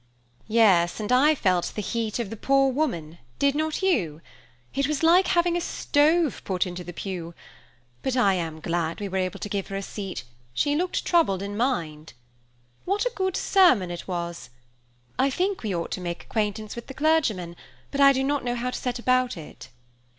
"Yes, and I felt the heat of the poor woman, did not you? It was like having a stove put into the pew; but I am glad we were able to give her a seat, she looked troubled in mind. What a good sermon it was! I think we ought to make acquaintance with the clergyman, but I do not know how to set about it."